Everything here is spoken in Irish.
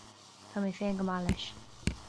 Tá mé féin go maith leis